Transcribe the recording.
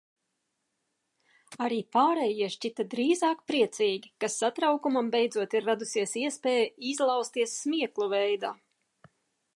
Arī pārējie šķita drīzāk priecīgi, ka satraukumam beidzot ir radusies iespēja izlausties smieklu veidā.